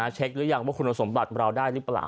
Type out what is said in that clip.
หรือยังว่าคุณสมบัติเราได้หรือเปล่า